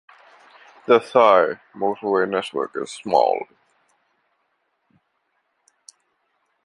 The Thai motorway network is small.